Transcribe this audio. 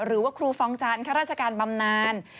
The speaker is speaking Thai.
หรือว่าครูฟองจันทร์ข้าราชการบำนาน